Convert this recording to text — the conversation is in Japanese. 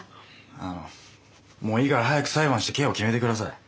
あのもういいから早く裁判して刑を決めてください。